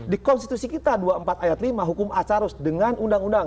di konstitusi kita dua puluh empat ayat lima hukum acararus dengan undang undang